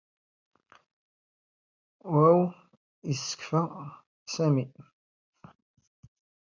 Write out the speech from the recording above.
ⵡⴰⵡ ⵉⵙⵙⴽⴼⴰ ⵙⴰⵎⵉ.